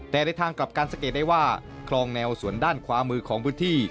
แต่ในทางกลับการสังเกตได้ว่าคลองแนวส่วนด้านขวามือของพื้นที่